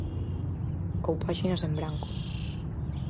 Ou páxinas en branco.